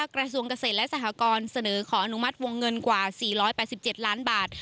กระทรวงเกษตรและสหกรณ์เสนอขออนุมัติวงเงินกว่า๔๘๗ล้านบาท